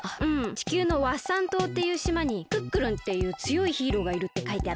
地球のワッサン島っていう島にクックルンっていうつよいヒーローがいるってかいてあった。